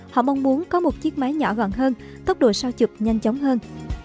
họ mong muốn có một chiếc máy nhỏ gọn hơn tốc độ sao chụp nhanh chóng hơn